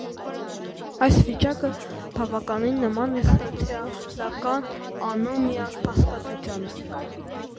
Այս վիճակը բավականին նման է սոցիոլոգիական անոմիա հասկացությանը։